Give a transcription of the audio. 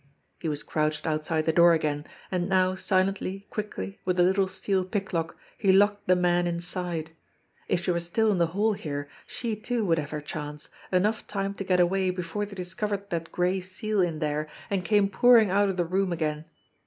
He was crouched outside the door again, and now silently, quickly, with the little steel pick lock, he locked the men in side. If she were still in the hall here, she too would have her chance, enough time to get away before they discovered that gray seal in there and came pouring out of the room again